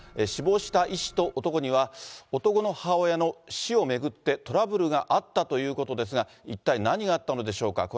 死亡した医師と男には、男の母親の死を巡ってトラブルがあったということですが、一体何があったのでしょうか。